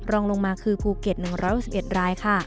รองลงมาคือภูเก็ตหนึ่งร้อยสิบเอ็ดรายค่ะ